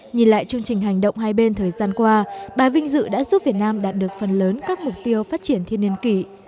nhìn lại chương trình hành động hai bên thời gian qua bà vinh dự đã giúp việt nam đạt được phần lớn các mục tiêu phát triển thiên niên kỷ